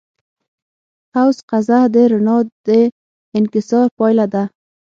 قوس قزح د رڼا د انکسار پایله ده.